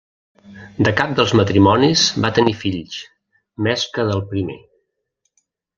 De cap dels matrimonis va tenir fills, més que del primer.